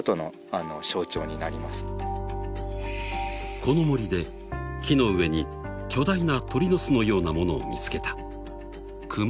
［この森で木の上に巨大な鳥の巣のようなものを見つけた］